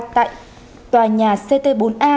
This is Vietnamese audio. tại tòa nhà ct bốn a